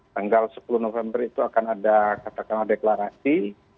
tanggal sepuluh november itu akan ada katakanlah deklarasi